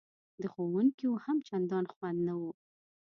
د ښوونکیو هم چندان خوند نه و.